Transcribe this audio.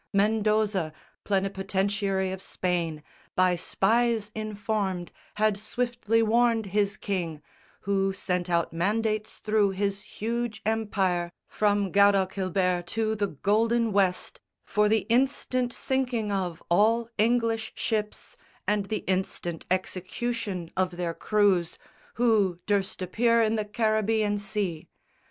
Mendoza, plenipotentiary of Spain, By spies informed, had swiftly warned his king, Who sent out mandates through his huge empire From Gaudalchiber to the golden West For the instant sinking of all English ships And the instant execution of their crews Who durst appear in the Caribbean sea.